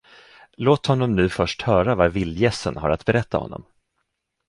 Låt honom nu först höra vad vildgässen har att berätta honom!